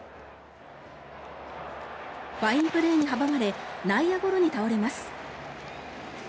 ファインプレーに阻まれ内野ゴロに倒れます。